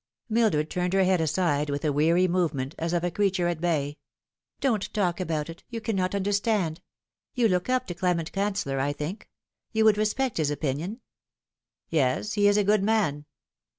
Mildred turned her head aside with a weary movement, as of a creature at bay. 44 Don't talk about it. You cannot understand. You look up to Clement Cancellor, I think. You would respect his opinion." 44 Yes ; he is a good man."